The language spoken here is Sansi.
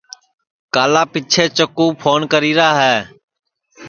کالا پیچھیںٚس چکُو پھون کری را ہے